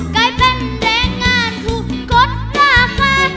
กลายเป็นแรงงานถูกกฎราคา